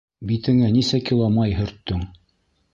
Битеңә нисә кило май һөрттөң?